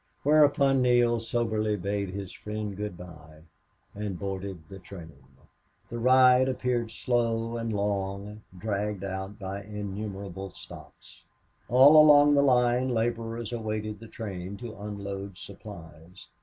Whereupon Neale soberly bade his friend good bye and boarded the train. The ride appeared slow and long, dragged out by innumerable stops. All along the line laborers awaited the train to unload supplies.